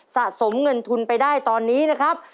สะสมเงินทุนไปได้ตอนนี้นะครับ